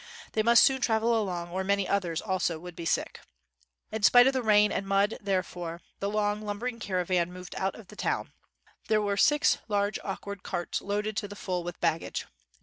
They must soon travel along or many others also would be sick. In spite of the rain and mud, therefore, 59 WHITE MAN OF WORK the long lumbering caravan moved out of the town. There were six large awkward carts loaded to the full with baggage.